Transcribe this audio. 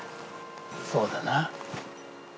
そうだな。